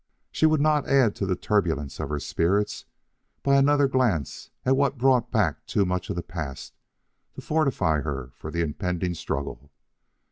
She would not add to the turbulence of her spirits by another glance at what brought back too much of the past to fortify her for the impending struggle.